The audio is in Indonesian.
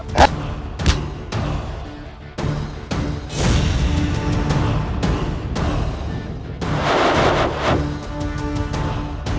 isi these perolehan hukuman dan sarung kita